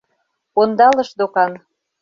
Ондалыш докан.